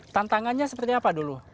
tantangannya seperti apa dulu